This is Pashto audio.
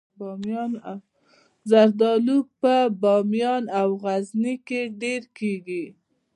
زردالو په بامیان او غزني کې ډیر کیږي